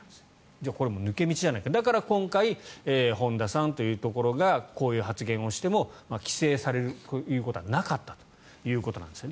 じゃあ、これ抜け道じゃないかということでだから今回本田さんというところがこういう発言をしても規制されるということはなかったということなんですね。